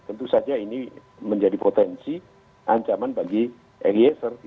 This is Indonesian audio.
tentu saja ini menjadi potensi ancaman bagi eliezer